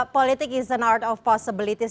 politik adalah arti kemungkinan